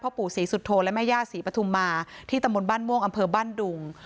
ปู่ศรีสุโธและแม่ย่าศรีปฐุมมาที่ตำบลบ้านม่วงอำเภอบ้านดุง